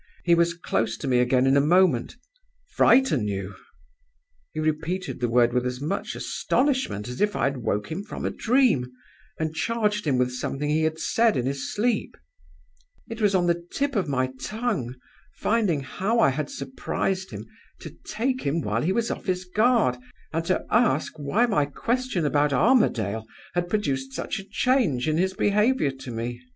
He was close to me again in a moment. 'Frighten you!' He repeated the word with as much astonishment as if I had woke him from a dream, and charged him with something that he had said in his sleep. "It was on the tip of my tongue, finding how I had surprised him, to take him while he was off his guard, and to ask why my question about Armadale had produced such a change in his behavior to me.